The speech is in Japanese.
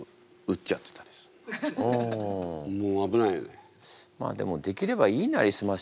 もう危ないよね。